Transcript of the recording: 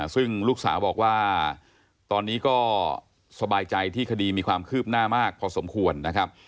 ซึ่งลูกสาวบอกว่าตอนนี้ก็สบายใจที่คดีมีความคืบหน้ามากพอสมควรนะครับ